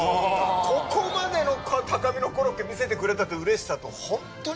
ここまでの高みのコロッケ見せてくれたといううれしさと。